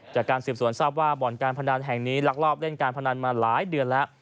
จากการสืบสวนทราบว่าบ่อนการพนันแห่งนี้ลักลอบเล่นการพนันมาหลายเดือนแล้ว